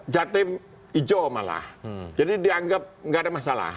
jatim ijo malah jadi dianggap tidak ada masalah